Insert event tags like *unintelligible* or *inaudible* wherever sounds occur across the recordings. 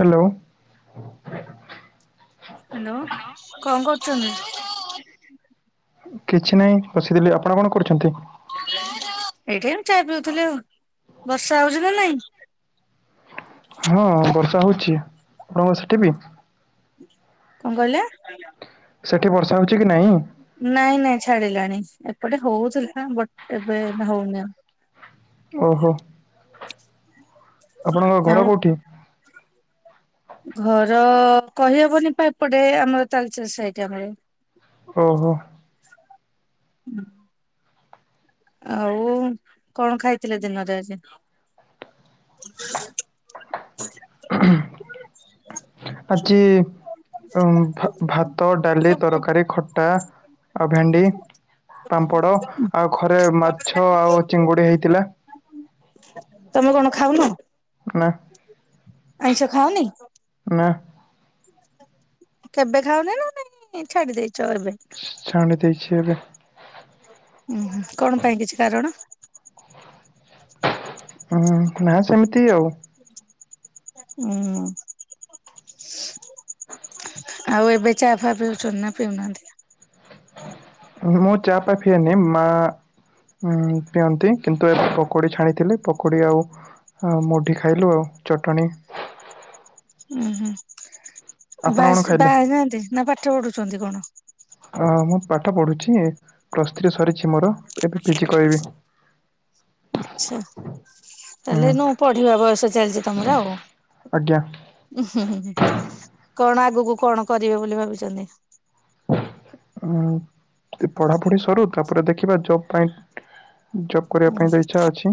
Hello hello କଣ କରଛନ୍ତି *unintelligible* କିଛି ନାହିଁ ବସିଥିଲି ଆପଣ କଣ କରୁଛନ୍ତି? *unintelligible* *unintelligible* ଏଇଠି ମୁ ଚା ପିଉଥିଲି ଆଉ ବର୍ଷା ହଉଛି ନା ନାଇଁ? ହଁ ବର୍ଷା ହଉଛି ଆପଣଙ୍କର ସେଠି ବି। କଁ କହିଲେ? ସେଠି ବର୍ଷା ହଉଛି କି ନାଇଁ। ନାଇଁ ନାଇଁ ଛାଡିଲାଣି ଏପଟେ ହଉଥିଲା ନା ବଟ୍ ଏବେ ହଉନି ଆଉ ଓହୋ ଆପଣଙ୍କ ଆଉ ଘର କୋଉଠି? ଘର କହିହବନି ପା ଏପଟେ ଆମର ତାଳଚେର୍ ସାଇଟ୍ ଆମର ଓହୋ। ଆଉ କଣ ଖାଇଥିଲେ ଦିନରେ ଆଜି। *unintelligible* *unintelligible* ଆଜି। ଭା-ଭାତ ଡାଲି ତରକାରୀ ଖଟା ଆଉ ଭେଣ୍ଡି। ପାମ୍ପଡ଼ ଆଉ ଘରେ ମାଛ ଆଉ ଚିଙ୍ଗୁଡ଼ି ହେଇଥିଲା। ତମେ କଣ ଖାଉନ। ନା। ଆଇଁଷ ଖାଅନି ନା କେବେ ଖାଉନି ନା ନାଇଁ ଛାଡି ଦେଇେଇଛ ଏବେ ଛାଣି ଦେଇଛି ଏବେ। ଉୁଁ କଣ ପାଇଁ କିଛି କାରଣ। ହୁଁ ନା ସେମିତି ଆଉ ଉଁ *unintelligible* ଆଉ ଏବେ ଚା ଫା ପିଉଛୁନ୍ତି ନା ପିଉନାହାନ୍ତି? ମୁଁ ଚାପ ଫା ପିଏନି ମା ଉଁ ପିଅନ୍ତି କିନ୍ତୁ ଏବେ ପକୋଡ଼ି ଛାଣିଥିଲେି ପକୁଡ଼ି ଆଉ ଆଉ ମୁଢି ଖାଇଲୁ ଆଉ ଚଟଣି। ଉୁଁ ହୁଁ ଆଉ ଆପଣ କଣ ଖାଇଲେ? ବାସ୍-ବାହାହେଇନାହାନ୍ତି ନା ପାଠ ପଢୁଛନ୍ତି କଣ? ହଁ ମୁଁ ପାଠ ପଢୁଛି ପ୍ଲସ୍ ଥ୍ରୀ ସରିଛି ମୋର ଏବେ ପିଜି କିଇବି ଆଚ୍ଛା। ତାହେଲେ ହୁଁ ନୁ ପଢିବା ବୟସ ଚାଲିଛି ତମର ଆଉ ଆଜ୍ଞା ଉ ହୁଁ ହୁଁ ହୁଁ କଣ ଆଗକୁ କଣ କରିବେ ବୋଲି ଭାବିଛନ୍ତି? ପଢାପଢି ସରୁ ତାପରେ ଦେଖିବା ଜବ୍ ପାଇଁ। ଜବ୍ କରିବା ଉଁ ପାଇଁ ତ ଇଚ୍ଛା ଅଛି।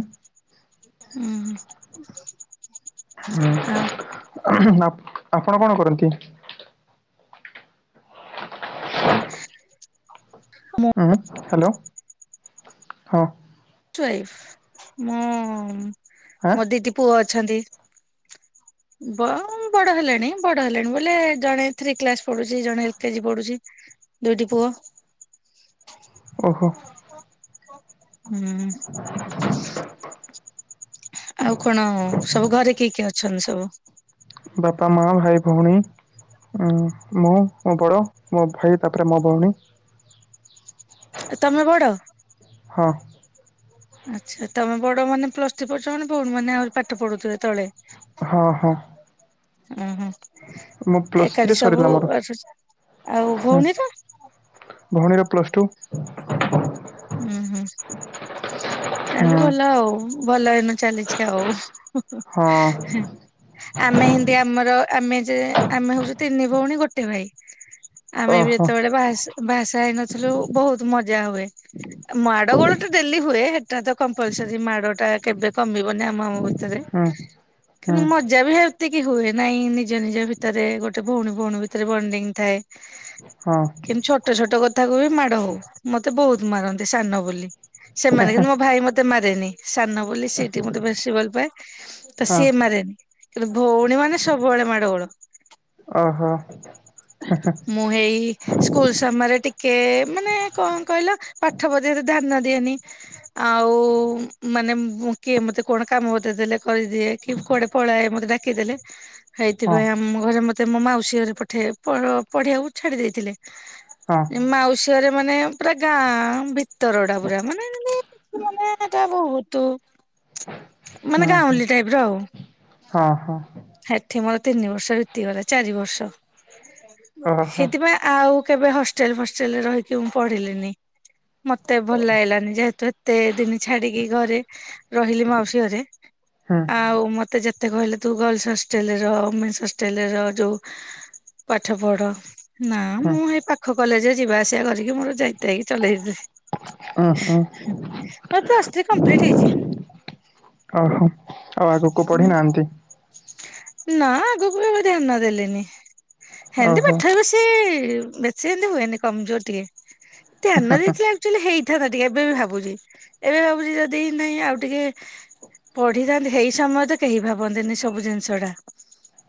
ହୁଁ ଆଉ ଉଁ ହୁଁ ହୁଁ ଆପଣ କଣ କରନ୍ତି? ମୁଁ ଉଁ ହାଲୋ ହୁଁ *unintelligible* ମୁଁ ଆଁ ମୋ ଦିଦି ପୁଅ ଅଛନ୍ତି। ବ- ବଡ଼ ହେଲେଣି ବଡ଼ ହେଲେଣି ବୋଲେ ଜଣେ ଥ୍ରୀ କ୍ଲାସ୍ ପଢୁଚି ଜଣେ ଏଲ୍ କେଜି ପଢୁଚି। ଦୁଇଟି ପୁଅ। ଓହୋ। ହୁଁ। ଆଉ କଣ ସବୁ ଘରେ କିଏ କିଏ ଅଛନ୍ତି ସବୁ? ବାପା ମା ଭାଇ ଭଉଣୀ। ଉଁ ମୁଁ ମୋ ବଡ଼ ମୋ ଭାଇ ତାପରେ ମୋ ଭଉଣୀ ତମେ ବଡ? ହଁ। ଆଚ୍ଛା ତମେ ବଡ ମାନେ ପ୍ଲସ ଟୁ ପଢୁଚ ମାନେ ଭଉଣୀ ମାନେ ଆହୁରି ପାଠ ପଢୁଥିଲେ ତଳେ ହଁ ହଁ। ଉଁ ହୁଁ। ମୋ ପ୍ଲସ୍ ଥ୍ରୀ ଏକାଠି ସବୁ ସରିଲା ମୋର ଆସୁଛି ଆଉ ହୁଁ ଭଉଣୀ ର? ଭଉଣୀର ପ୍ଲସ ଟୁ। ଉଁ ହୁଁ ତାହେଲେ ଭଲ ହୁଁ ଆଉ। ଭଲ ଏନୁ ଚାଲିଚି ହଁ ଆଉ ଆମେ ହିନ୍ତି ଆମର ଆମେ ଯେ ଆମେ ହଉଚୁ ତିନି ଭଉଣୀ ଗୋଟେ ଭାଇ ଆମେ ବି ଓହୋ ଯେତେବେଳେ ବାହା ସା ବାହା ସାହା ହେଇନଥିଲୁ ବହୁତ ମଜା ହୁଏ। ମାଡ଼ ଗୋଳ ତ ଡେଲି ହୁଏ ହେଟା ତ କମ୍ପଲସରୀ ମାଡ ଟା କେବେ କମିବନି ଆମ ଆମ ଭିତରେ ହୁଁ ହୁଁ କିନ୍ତୁ ମଜା ବି ହେତିକି ହୁଏ ନାଇଁ ନି ନିଜ ନିଜ ଭିତରେ ଗୋଟେ ଭଉଣୀ ଭଉଣୀ ଭିତରେ ବଣ୍ଡିଙ୍ଗ ଥାଏ ହଁ କିନ୍ତୁ ଛୋଟ ଛୋଟ କଥାକୁ ବି ମାଡ ହଉ ମତେ ବହୁତ ମାରନ୍ତି ସାନ ବୋଲି। ସେମାନେ କିନ୍ତୁ ମୋ ଭାଇ ମତେ ମାରେନି ସାନ ବୋଲି ସେଇଠି ମତେ ବେଶୀ ଭଲ ପାଏ ତ ହଁ ସିଏ ମାରେନି କିନ୍ତୁ ଭଉଣୀ ମାନେ ସବୁବେଳେ ମାଡ ଗୋଳ। ଓହୋ। ମୁଁ ହେଇ ସ୍କୁଲ ସମୟରେ ଟିକେ ମାନେ କଣ କହିଲ ପାଠ ପଢିବାରେ ଧ୍ୟାନ ଦିଏନି ଆଉ ମାନେ କିଏ ମତେ କଣ କାମ ବତେଇ ଦେଲେ କରିଦିଏ କି କୁଆଡେ ପଳାଏ ମତେ ଡାକିଦେଲେ ହଁ ହେଇଥିପାଇଁ ଆମ ଘରେ ମତେ ମୋ ମାଉସୀ ଘରେ ପଠେଇ ପ ପଢିବାକୁ ଛାଡି ଦେଇଥିଲେ। ହଁ। ମାଉସୀ ଘରେ ମାନେ ପୁରା ଗାଁ ଭି ତରଡା ପୁରା ମାନେ ଜିନ୍ତି ମାନେ ଏଟା ବହୁତ ହୁଁ ମାନେ ହୁଁ ଗାଉଁଲି ଟାଇପ୍ ର ଆଉ। ହଁ ହଁ। ହେଠେ ମୋର ତିନି ବର୍ଷ ବିତିଗଲା ଚାରି ବର୍ଷ ଓହୋ ସେଥିପାଇଁ ଆ ଆଉ କେବେ ହଷ୍ଟେଲ ଫଷ୍ଟେଲରେ ରହିକି ମୁଁ ପଢିଲିନି। ମତେ ଭଲ ଲାଗିଲାନି ଯେହେତୁ ଏତେ ଦିନି ଛାଡିକି ଘରେ ରହିଲି ମାଉସୀ ଘରେ ହୁଁ ଆଉ ମତେ ଯେତ୍ ମତେ କହିଲେ ତୁ ଗର୍ଲସ ହଷ୍ଟେଲ ରହ ମିସ୍ ହଷ୍ଟେଲ ରହ ଯୋଉ ପାଠ ପଢ ନା ହୁଁ ମୁଁ ହେଇ ପାଖ କଲେଜରେ ଯିବା ଆସିବା କରିକି ମୋର ଯାହିତାଇକି ଚଲେଇଦେଲି। ଉଁ ଉଁ ଓହୋ ମୋର ପ୍ଲସ ଥ୍ରୀ କମ୍ପ୍ଲିଟ୍ ହେଇଚି। ଓହୋ ଆଉ ଆଗକୁ ପଢି ନାହାନ୍ତି? ନା ଆଗକୁ ବି ମୁଁ ଧ୍ୟାନ ଦେଲିନି ହେନ୍ତି ଓହୋ ପାଠରେ ବେଶୀ ସି ବେଶୀ ଏମିତି ହୁଏନି କମଜୋର୍ ଟିକେ ଧ୍ୟାନ ଦେଇଥିଲେ ଆକଚୁଲି ହେଇଥାନ୍ତା ଟିକେ ଏବେ ବି ଭାବୁଚି ଏବେ ଭାବୁଚି ଯଦି ନାହିଁ ଆଉ ଟିକେ ବିଥାନ୍ତି ହେଇ ସମୟ ତ କେହି ଭାବନ୍ତିନି ସବୁ ଜିନିଷ ଟା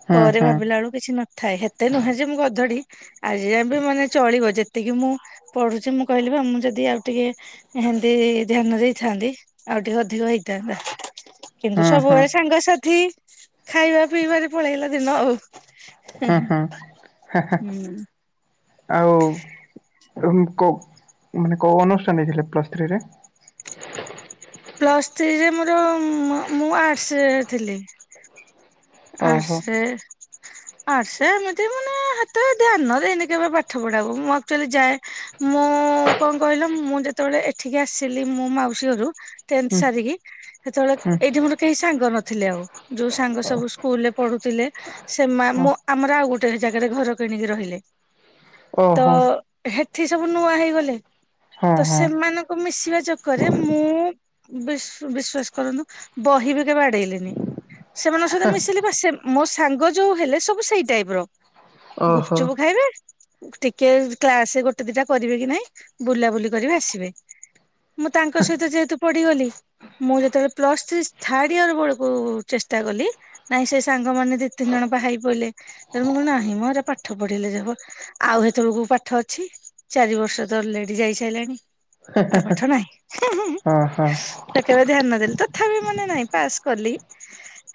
ହୁଁ ହୁଁ ପରେ ହୁଁ ଭାବିଲା ବେଳୁ କିଛି ନ ଥାଏ ହେତେ ନୁହେଁ ଯେ ମୁଁ ଗଧଡି ଆଜି ଯାଏ ମାନେ ଚଳିବ ଯେତ୍ ହେତିକି ମୁଁ ପଢୁଚି ମୁଁ କହିଲି ବା ମୁଁ ଯଦି ଆଉ ଟିକେ ହେନ୍ତି ଧ୍ୟାନ ଦେଇଥାନ୍ତି ଆଉ ଟିକେ ଅଧିକ ହେଇଥାନ୍ତା। କିନ୍ତୁ ହୁଁ ସବୁବେଳେ ସାଙ୍ଗସାଥି ଖାଇବା ପିଇବାରେ ପଳେଇଲା ଦିନ ଆଉ। ହୁଁ ହୁଁ ହେଁ ହେଁ। ହୁଁ ଆଉ କୋ ମାନେ କୋଉ ଓନର୍ସ ଟା ନେଇଥିଲେ ପ୍ଲସ୍ ଥ୍ରୀରେ? ପ୍ଲସ୍ ଥ୍ରୀରେ ମୋର ମଁ ମୁଁ ଆର୍ଟସରେ ଥିଲି। ଓହୋ ଆର୍ଟସ ରେ ଆସେ ଏମିତି ମାନେ ହେତେଳେ ଧ୍ୟାନ ଦେଇନି କେବେ ପାଠ ପଢାକୁ ମୁଁ ଆକ୍ଚୁଆଲି ଯାଏ ମୁଁ କଣ କହିଲ ମୁଁ ଯେତେବେଳେ ଏଠିକି ଆସିଲି ମୁଁ ମାଉସୀ ଘରୁ ଟେନ୍ଥ୍ ହୁଁ ସାରିକି ସେତେବେଳେ ହୁଁ ଏଇଠି ମୋର କେହି ସାଙ୍ଗ ନଥିଲେ ଆଉ ଯୋଉ ସାଙ୍ଗ ସବୁ ସ୍କୁ ସ୍କୁଲରେ ପଢୁଥିଲେ ସେ ଓ ଆମ ଆମର ଆଉ ଗୋଟେ ଜାଗାରେ ଘର କିଣିକି ରହିଲେ। ତ ଓହୋ ହେଠି ସବୁ ନୂଆ ହେଇଗଲେ ହଁ ତ ହଁ ସେମାନଙ୍କ ମିଶିବା ଚକର୍ ରେ ମୁଁ ବିଶ୍ଵାସ କରନ୍ତୁ ବହି ବି କେବେ ଆଡେଇନି ସେମାନଙ୍କ ସହିତ ମିଶିଲି ପା ସେ ମୋ ସାଙ୍ଗ ଯୋଉ ହେଲେ ସବୁ ସେଇ ଟାଇପ୍ ର। ଗୁପ୍ ଓହୋ ଚୁପ୍ ଖାଇବେ। ଟିକେ କ୍ଲାସ ଗୋଟେ ଦିଟା କରିବେ କି ନାଇଁ ବୁଲାବୁଲି କରିବେ ଆସିବେ। ମୁଁ ତାଙ୍କ ସହିତ ଯେହେତୁ ପଡିଗଲି ମୁଁ ସେତେବେଳେ ପ୍ଲସ୍ ଥ୍ରୀ ଥାର୍ଡ ଇୟର ବଳକୁ ଚେଷ୍ଟା କଲି ନାଇଁ ସେ ସାଙ୍ଗମାନେ ଦି ତିନି ଜଣ ବାହା ହେଇ ପଇଲେ ମୁଁ କହିଲି ନାହିଁ ମୋ ପାଠ ପଢିଲେ ଯିବ ଆଉ ହେତେବେଳକୁ ପାଠ ଅଛି ଚାରି ବର୍ଷ ତ ଅଲ୍ରେଡି ଯାଇ ସାରିଲାଣି। ଆଉ ପାଠ ନାହିଁ ହୁଁ ହୁଁ ହୁଁ ଓହୋ ହଁ ତା କେବେ ଧ୍ୟାନ ଦେଲି ତଥାପି ମାନେ ନାହିଁ ପାସ୍ କଲି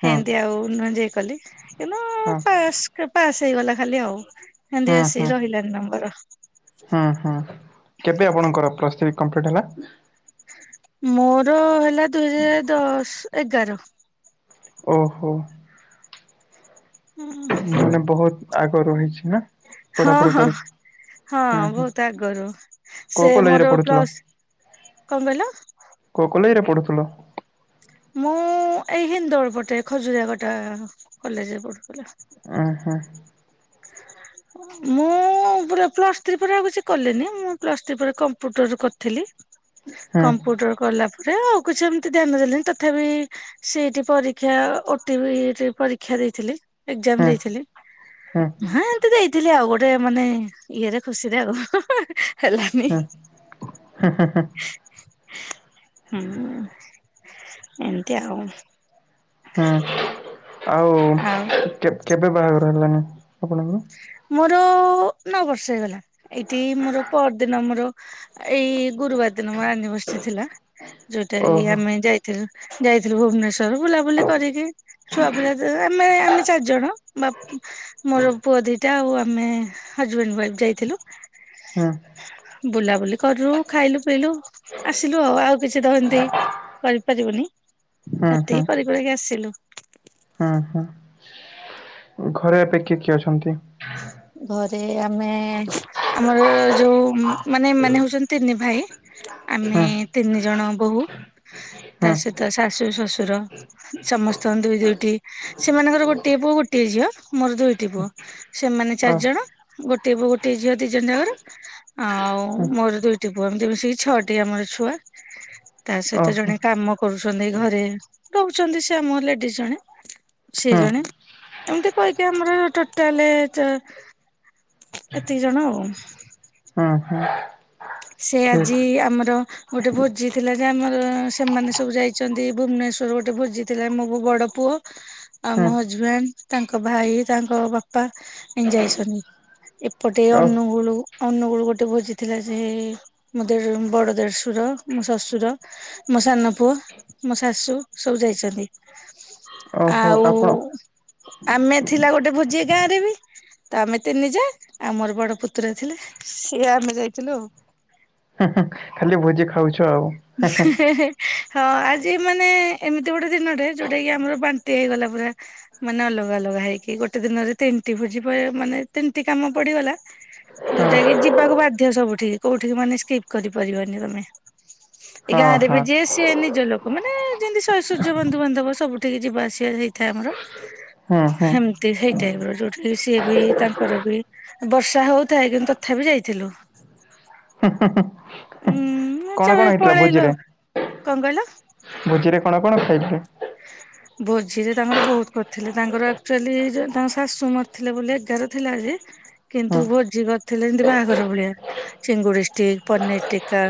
ହଁ। ମିତି ଆଉ ଏନଜୟ କଲି କିନ୍ତୁ ହଁ ପାସ୍ ପାସ୍ ହେଇଗଲା ଖାଲି ଆଉ *unintelligible* କାନ୍ଦୀ ହୁଁ ଆସି ହୁଁ ରହିଲାନି ନମ୍ବର ହୁଁ ହୁଁ କେବେ ଆପଣଙ୍କର ପ୍ଲସଥ୍ରୀ କମ୍ପ୍ଲିଟ ହେଲା ମୋର ହେଲା ଦୁଇ ହଜାର ଦଶ ଏଗାର। ଓହୋ। ହଁ। ମାନେ ବହୁତ ଆଗରୁ ହେଇଛି ନା। ହଁ ପଢାପଢି ହଁ କରିଛି ହଁ ହୁଁ ହୁଁ ବହୁତ ଆଗରୁ କୋଉ ସେ କଲେଜରେ ମୋର ପଢୁଥିଲ? ପ୍ଲସ୍ କଣ କହିଲ? କୋଉ କଲେଜ ରେ ପଢୁଥିଲ? ମୁଁ ଏଇ ହିନ୍ଦୋଳ ପଟେ ଖଜୁରିଆ କଟା କଲେଜରେ ପଢୁଥିଲା। ଉଁ ହୁଁ ମୁଁ ମୁଁ ପୁରା ପ୍ଲସ୍ ଥ୍ରୀ ପରେ ଆଉ କିଛି କଲେନି ମୁଁ ପ୍ଲସ୍ ଥ୍ରୀ ପରେ କମ୍ପ୍ୟୁଟରୁ କରିଥିଲି। ହୁଁ କମ୍ପୁଟର କଲା ପରେ ଆଉ କିଛି ଏମିତି ଧ୍ୟାନ ଦେଲେଣି ତ ତଥାପି ସେଠି ପରୀକ୍ଷା ଓଟିଭି ପରୀକ୍ଷା ଦେଇଥିଲି। ଏଜାମ ହୁଁ ଦେଇଥିଲି ହୁଁ ହେ ଏତେ ଯାଇଥିଲି ଆଉ ଗୋଟେ ମାନେ ଇଏରେ ଖୁସିରେ ଆଉ। ହେଲାନି ହୁଁ ହୁଁ। ଏମିତି ଆଉ। ହୁଁ ଆଉ ଆଉ କେବେ ବାହାଘର ହେଲାଣି ଆପଣଙ୍କର? ମୋର ନଅ ବର୍ଷ ହେଇଗଲା ଏଇଠି ମୋର ପହର ଦିନ ଆମର ଏଇ ଗୁରୁବାର ଦିନ ମୋର ଆନିବର୍ଷରି ଥିଲା ଯୋଉଟା କି ଓହୋ ଆମେ ଯାଇ ଯାଇଥିଲୁ ଭୁବନେଶ୍ଵର ବୁଲାବୁଲି କରିକି ଛୁଆ ପିଲା ତ ଆମେ ଆମେ ଚାରି ଜଣ ବାପ ମୋର ପୁଅ ଦିଟା ଆଉ ଆମେ ହଜବ୍ୟାଣ୍ଡ ୱାଇଫ୍ ଯାଇଥିଲୁ। ହୁଁ ବୁଲାବୁଲି କରୁ ଖାଇଲୁ ପିଲୁ ଆସିଲୁ ଆଉ ଆଉ କିଛି ତ ହେମିତି କରିପାରିବୁନି ହୁଁ ଏତିକି କରିି କରିକି ଆସିଲୁ ହଁ ହଁ। ଘରେ ଏବେ କିଏ କିଏ ଅଛନ୍ତି? ଘରେ ଆମେ ଆମର ଯୋଉ ମାନେ ମାନେ ହଉଛନ୍ତି ତିନି ଭାଇ ଆମେ ହୁଁ ତିନି ଜଣ ବୋହୂ ହୁଁ ତା ସହିତ ଶାଶୁ ଶ୍ଶୁର ସମସ୍ତଙ୍କ ଦୁଇ ଦୁଇଟି ସେମାନଙ୍କର ଗୋଟିଏ ପୁଅ ଗୋଟିଏ ଝିଅ ମୋର ଦୁଇଟି ପୁଅ ସେମାନେ ଓ ଚାରିଜଣ ଗୋଟେ ପୁଅ ଗୋଟେ ଝିଅ ଦି ଜଣ ଜାଙ୍କର ଆଉ ମୋର ଦୁଇଟି ପୁଅ ଏମତି ମିସିକି ଛଅଟି ଆମର ଛୁଆ ତା ସହିତ ଓହୋ ଜଣେ କାମ କରୁଛନ୍ତି ଘରେ ରହୁଛନ୍ତି ସେ ଆମ ଲେଡିଜ ଜଣେ। ସେ ହୁଁ ଜଣେ ଏମିତି କହିକି ଆମର ଟୋଟାଲ ତ ଏତିକି ଜଣ ଆଉ। ହୁଁ ହୁଁ। ସେ ଠିକ୍ ଆଜି ଆମର ଗୋଟେ ଭୋଜି ଥିଲା ଯେ ଆମର ସେମାନେ ସବୁ ଯାଇଛନ୍ତି ଭୁବନେଶ୍ଵର ଗୋଟେ ଭୋଜି ଥିଲା ମୋ ବଡ ପୁଅ ଆଉ ହୁଁ ମୋ ହଜବ୍ୟାଣ୍ଡ ତାଙ୍କ ଭାଇ ତାଙ୍କ ବାପା ଏନ୍ ଯାଇଛନ୍। ଏପଟେ ଓ ଅନୁଗୁଳ ଅନୁଗୁଳ ଗୋଟେ ଭୋଜିଥିଲା। ଏଇ ମୋ ଦେ ବଡ଼ ଦେଢ଼ଶୁର ମୋ ଶ୍ୱଶୁର ମୋ ସାନ ପୁଅ ମୋ ଶାଶୁ ସବୁ ଯାଇଛନ୍ତି। ଓହୋ ଆଉ ଆପଣ ଆମେ ଥିଲା ଗୋଟେ ଭୋଜି ଏଇ ଗାଁ ରେ ତ ଆମେ ତିନିଜା ଆଉ ମୋର ବଡ ପୁତୁରା ଥିଲେ ସିଏ ଆମେ ଯାଇଥିଲୁ ଆଉ। ଖାଲି ଭୋଜି ଖାଉଛ ଆଉ। ହେ ହେ ହଁ ଆଜି ମାନେ ଏମିତି ଗୋଟେ ଦିନଟେ ଯୋଉଟା କି ଆମର ବାନ୍ତି ହେଇଗଲା ପୁରା ମାନେ ଅଲଗା ଅଲଗା ହେଇକି ଗୋଟେ ଦିନରେ ତିନିଟି ଭୋଜି ମାନେ ତିନିଟି କାମ ପଡିଗଲା ଯୋଉଟା କି ଯିବାକୁ ବାଧ୍ୟ ସବୁଠିକି କୋଉଠିକି ମାନେ ସ୍କିପ୍ କରିପାରିବନି ତମେ ଏଇ ହଁ ଗାଁରେ ବି ହଁ ଯିଏ ସେ ନିଜ ଲୋକ ମାନେ ଯେମିତି ଶ ସୂର୍ଯ୍ୟ ବନ୍ଧୁବାନ୍ଧବ ସବୁଠିକେ ଯିବା ଆସିବା ହେଇଥାଏ ଆମର ହଁ ହୁଁ ହୁଁ ସେମତି ସେଇ ଟାଇପ୍ ର ଯୋଉଠିକି ସିଏ ବି ତାଙ୍କର ବି ବର୍ଷା ହଉଥାଏ କିନ୍ତୁ ତଥାପି ଯାଇଥିଲୁ କଣ ଉଁ କଣ ହେଇଥିଲା ପଳେଇଲୁ ଭୋଜିରେ? ଆଉ କଣ କହିଲ? ଭୋଜିରେ କଣ କଣ ଖାଇଥିଲେ? *inaudible* ଭୋଜି ରେ ତାଙ୍କର ବହୁତ କରିଥିଲେ ତାଙ୍କର ଆକ୍ଚୁଆଲି ତାଙ୍କ ଶାଶୁ ମରି ଥିଲେ ବୋଲି ଏଗାର ଥିଲା ଯେ ହୁଁ କିନ୍ତୁ ଭୋଜି କରିଥିଲେ ଏମତି ବାହାଘର ଭଳିଆ ଚିଙ୍ଗୁଡି ଷ୍ଟିକ୍ ପନିର ଟିକା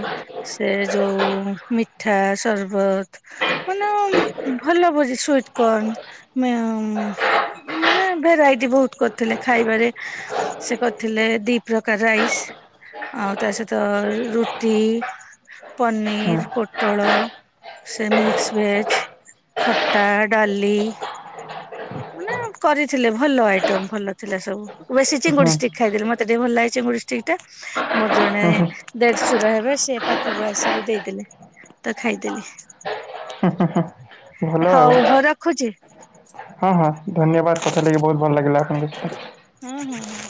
ସେ ଯୋଉ ମିଠା ସରବତ ମାନେ ଭଲ ଭୋଜି ସୁଇଟ୍ କର୍ନ ମାନେ ଭେରାଇଟି ବହୁତ କରିଥିଲେ ଖାଇବାରେ ସେ କରିଥିଲେ ଦି ପ୍ରକାର ରାଇସ ଆଉ ତା ସହିତ ରୁଟି ହୁଁ ପନିର ପୋଟଳ ସେ ମିକ୍ସ ଭେଜ ଖଟା ଡାଲି ମାନେ କରିଥିଲେ ଭଲ ଆଇଟମ ଭଲ ଥିଲା ସବୁ ବେଶୀ ହୁଁ ଚିଙ୍ଗୁଡି ଷ୍ଟିକ୍ ଖାଇଦେଲେ ମତେ ଟିକେ ଭଲ ଲାଗେ ଚିଙ୍ଗୁଡି ଷ୍ଟିକ୍ ଟା ମୋର ଜଣେ ଦେଢଶୁର ହେବେ ସେ ପାଖକୁ ଆସିକି ଦେଇଦେଲେ ତ ଖାଇଦେଲି ହଁ ହଁ ହଁ। ହଉ ହଉ ରଖୁଛି। ହଁ ହଁ ଧନ୍ୟବାଦ କଥା ଲାଗି ବୋହୁତ ଭଲ ଲାଗିଲା ଆପଣଙ୍କ ସହିତ। ହୁଁ ହୁଁ।